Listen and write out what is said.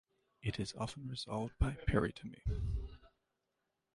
It is often resolved by peritomy.